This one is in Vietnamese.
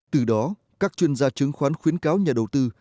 từ đó các chuyên gia chứng khoán khuyến cáo nhà đầu tư